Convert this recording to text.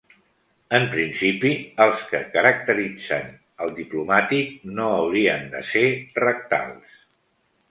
En principi, els que caracteritzen el diplomàtic no haurien de ser rectals.